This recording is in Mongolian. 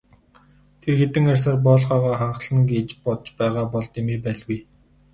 Тэр хэдэн арьсаар боольхойгоо халхална гэж бодож байгаа бол дэмий байлгүй.